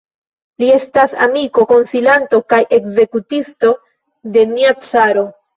Li estas amiko, konsilanto kaj ekzekutisto de nia caro.